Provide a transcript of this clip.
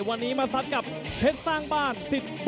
วันนี้มาสักกับเพชรสร้างบ้านสิทธิ์บอลสกล